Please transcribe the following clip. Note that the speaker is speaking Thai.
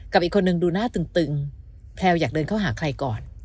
กับอีกคนนึงดูหน้าตึงแพลวอยากเดินเข้าหาใครก่อน